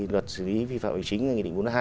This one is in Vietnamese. luật xử lý vi phạm chính là nghị định bốn mươi hai